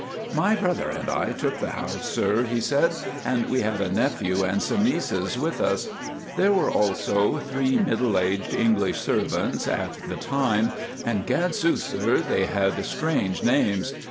"My brother and I took the house, sir," he said, "and we had a nephew and some nieces with us. There were also three middle aged English servants at the time; and, gadsooth, sir, they had strange names.